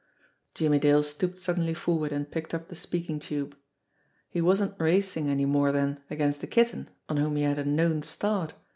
Jimmie Dale stooped suddenly forward and picked up the speaking tube. He wasn't racing any more then against the Kitten on whom he had a known start.